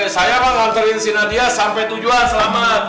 saya akan nganterin si nadia sampai tujuan selamat